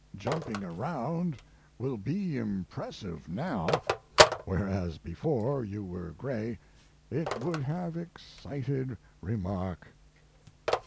Jumping around will be impressive now, whereas before you were gray it would have excited remark.